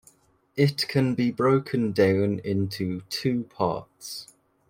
It can be broken down into two parts.